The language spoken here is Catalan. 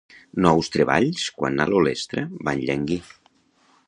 Nous treballs quant a l'olestra van llanguir.